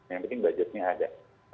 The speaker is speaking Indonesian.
yang penting budgetnya ada